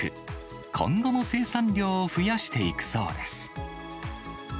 今後も生産量を増やしていくそうです。